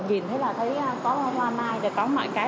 nhìn thấy là có hoa mai có mọi cái